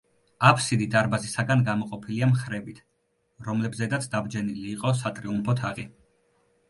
აფსიდი დარბაზისაგან გამოყოფილია მხრებით, რომლებზედაც დაბჯენილი იყო სატრიუმფო თაღი.